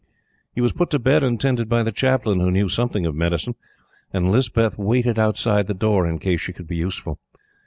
He was put to bed and tended by the Chaplain, who knew something of medicine; and Lispeth waited outside the door in case she could be useful.